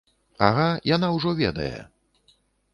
Ага, яна ўжо ведае!